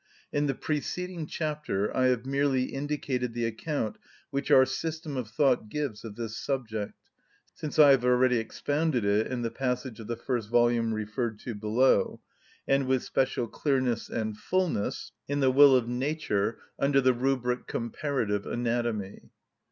In the preceding chapter I have merely indicated the account which our system of thought gives of this subject, since I have already expounded it in the passage of the first volume referred to below, and with special clearness and fulness in "The Will in Nature," under the rubric "Comparative Anatomy."